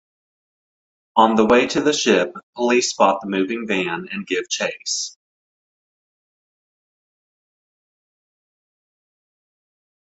On the way to the ship, police spot the moving van and give chase.